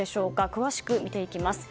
詳しく見ていきます。